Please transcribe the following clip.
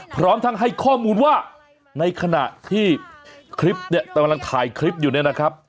พร้อมทั้งให้ข้อมูลว่าในขณะที่คลิปเนี่ยกำลังถ่ายคลิปอยู่เนี่ยนะครับ